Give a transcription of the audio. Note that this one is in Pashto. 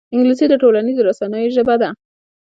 انګلیسي د ټولنیزو رسنیو ژبه ده